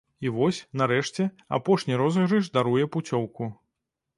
І вось, нарэшце, апошні розыгрыш даруе пуцёўку.